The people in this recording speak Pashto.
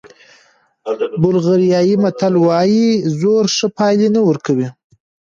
بلغاریایي متل وایي زور ښه پایله نه ورکوي.